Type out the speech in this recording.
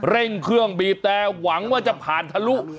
เร่งเครื่องบีบแต่หวังว่าจะผ่านทะลุ